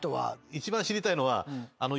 一番知りたいのは。